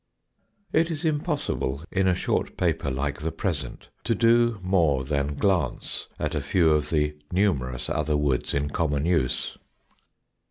It is impossible in a short paper like the present to do more than glance at a few of the numerous other woods in common use.